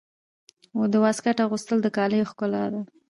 د واسکټ اغوستل د کالیو ښکلا ده.